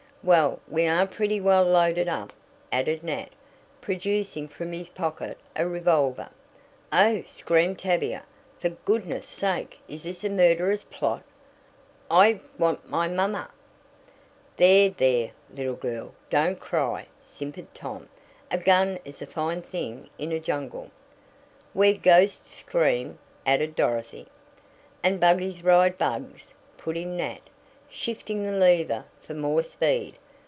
"Well, we are pretty well loaded up," added Nat, producing from his pocket a revolver. "Oh!" screamed Tavia; "for goodness' sake is this a murderous plot? I want my mamma " "There, there, little girl, don't cry," simpered Tom. "A gun is a fine thing in a jungle " "Where ghosts scream," added Dorothy. "And buggies ride bugs," put in Nat, shifting the lever for more speed.